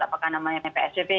apakah namanya psbp